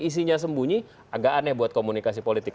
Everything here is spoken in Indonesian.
isinya sembunyi agak aneh buat komunikasi politik